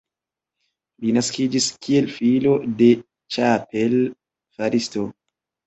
Li naskiĝis kiel filo de ĉapel-faristo.